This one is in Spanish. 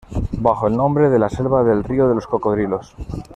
Bajo el nombre de "La Selva del Río de los Cocodrilos.